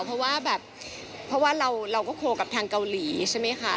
เพราะว่าแบบเธอโคลกกับทางเกาหลีใช่ไหมคะ